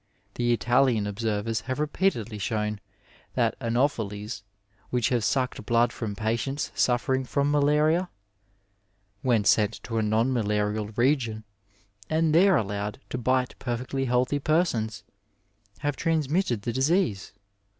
The Italian observers have repeatedly shown that Anopheles which have sucked blood from patients suffering from malaria, when sent to a non malarial region, and there allowed to bite perfectly healthy persons, have transmitted the disease.